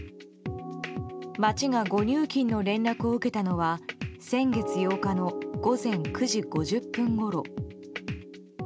町が誤入金の連絡を受けたのは先月８日の午前９時５０分ごろ。